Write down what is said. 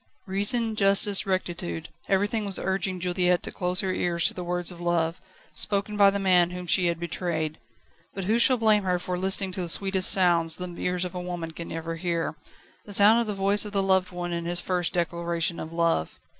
Reason, justice, rectitude everything was urging Juliette to close her ears to the words of love, spoken by the man whom she had betrayed. But who shall blame her for listening to the sweetest sound the ears of a woman can ever hear the sound of the voice of the loved one in his first declaration of love?